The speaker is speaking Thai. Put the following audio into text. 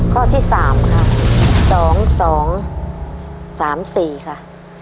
ข้อที่๓ค่ะ๒๒๓๔ค่ะ